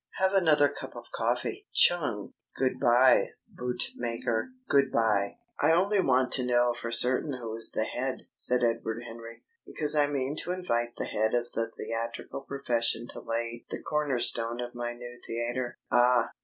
Have another cup of coffee. Chung! ... Good bye, Bootmaker, good bye!" "I only want to know for certain who is the head," said Edward Henry, "because I mean to invite the head of the theatrical profession to lay the corner stone of my new theatre." "Ah!"